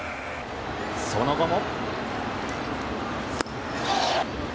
その後も。